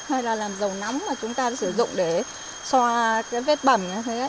hay là làm dầu nóng mà chúng ta sử dụng để so vết bẩm